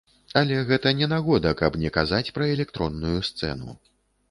Але гэта не нагода, каб не казаць пра электронную сцэну.